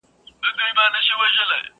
زه چي غرغړې ته ورختلم اسمان څه ویل!.